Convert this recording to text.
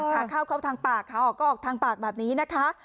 ขาเข้าทางปากขาออกก็ออกทางปากแบบนี้นะคะ